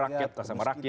rakyat atas nama rakyat